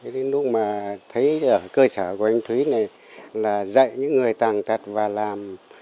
đến lúc mà thấy ở cơ sở của anh thúy này là dạy những người tàn tật và làm